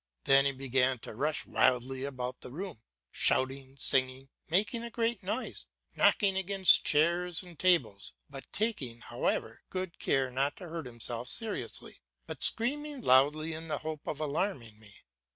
Then he began to rush wildly about the room, shouting, singing, making a great noise, knocking against chairs and tables, but taking, however, good care not to hurt himself seriously, but screaming loudly in the hope of alarming me.